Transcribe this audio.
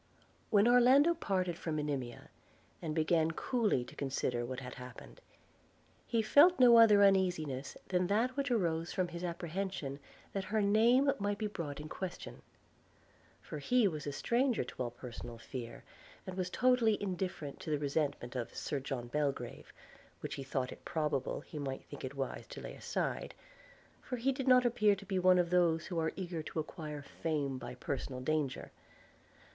When Orlando parted from Monimia, and began coolly to consider what had happened, he felt no other uneasiness than that which arose from his apprehension that her name might be brought in question; for he was a stranger to all personal fear, and was totally indifferent to the resentment of Sir John Belgrave, which he thought it probable he might think it wise to lay aside; for he did not appear to be one of those who are eager to acquire fame by personal danger.